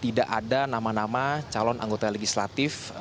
tidak ada nama nama calon anggota legislatif